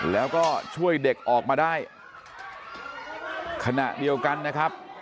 แล้วก็ช่วยเด็กออกมาได้ขณะเดียวกันนะครับ